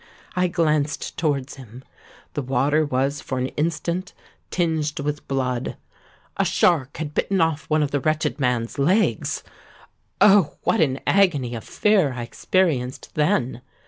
I glanced towards him: the water was for an instant tinged with blood—a shark had bitten off one of the wretched man's legs! Oh! what an agony of fear I experienced then.